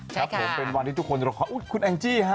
เป็นวันที่ทุกคนจะรักษาอุ๊ยคุณแอนจี้ฮะ